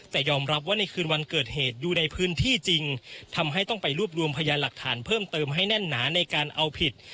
แต่ยอมรับว่าในคืนวันเกิดเหตุอยู่ในพื้นที่จริงทำให้ต้องไปรวบรวมพยานหลักฐานเพิ่มเติมให้แน่นหนาในการเอาผิด